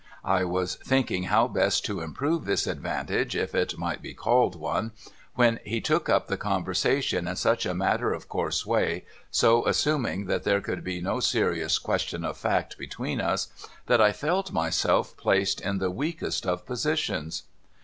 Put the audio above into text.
I was thinking how best to improve this advantage, if it might be called one, when he took up the conversation in such a matter of course way, so assuming that there could be no serious question of fact between us, that I felt myself placed in the weakest of positions.